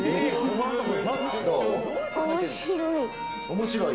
面白い？